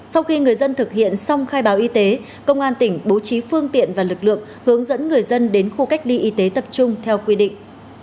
sau khi người dân thực hiện xong khai báo y tế công an tỉnh bố trí phương tiện và lực lượng hướng dẫn người dân đến khu cách ly y tế tập trung theo quy định